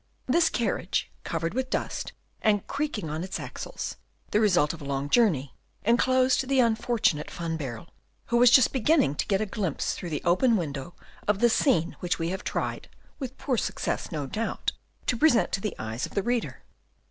This carriage, covered with dust, and creaking on its axles, the result of a long journey, enclosed the unfortunate Van Baerle, who was just beginning to get a glimpse through the open window of the scene which we have tried with poor success, no doubt to present to the eyes of the reader.